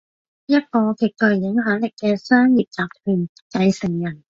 一個極具影響力嘅商業集團繼承人